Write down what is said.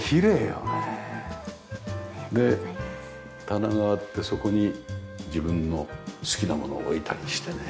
棚があってそこに自分の好きなものを置いたりしてね。